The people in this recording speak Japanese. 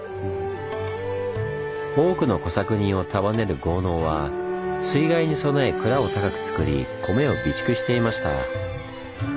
多くの小作人を束ねる豪農は水害に備え蔵を高くつくり米を備蓄していました。